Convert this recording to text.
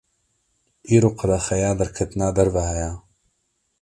îro qedexeya derketina derve heye